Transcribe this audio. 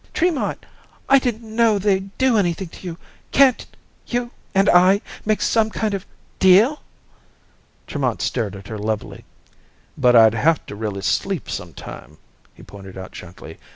"Tremont! I didn't know they'd do anything to you. Can't ... you and I ... make some kind of ... deal?" Tremont stared at her levelly. "But I'd have to really sleep sometime," he pointed out gently.